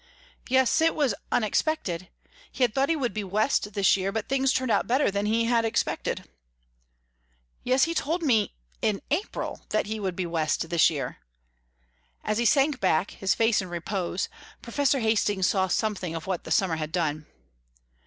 "Yes, it was unexpected. He had thought he would be West this year, but things turned out better than he had expected." "Yes, he told me in April, that he would be West this year." As he sank back, his face in repose, Professor Hastings saw something of what the summer had done.